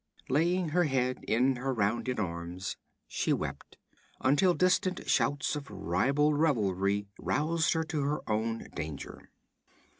Laying her head in her rounded arms she wept, until distant shouts of ribald revelry roused her to her own danger.